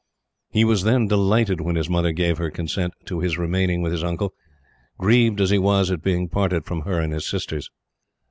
He was, then, delighted when his mother gave her consent to his remaining with his uncle; grieved as he was at being parted from her and his sisters.